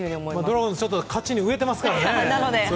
ドラゴンズ、勝ちに飢えてますからね。